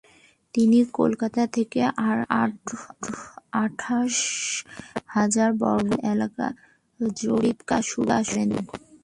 তিনি কলকাতা থেকে আঠাশ হাজার বর্গমাইল এলাকা জরিপকাজ শুরু করেন।